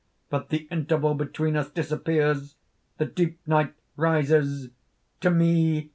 "But the interval between us disappears; the deep night rises! To me!